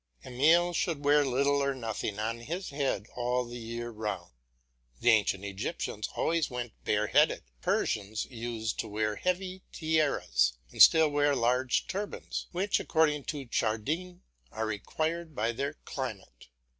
Emile should wear little or nothing on his head all the year round. The ancient Egyptians always went bareheaded; the Persians used to wear heavy tiaras and still wear large turbans, which according to Chardin are required by their climate.